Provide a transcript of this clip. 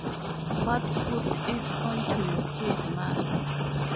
What put it into your head, mother?